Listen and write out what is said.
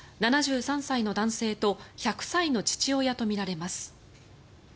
７３歳の男性と１００歳の父親とみられます。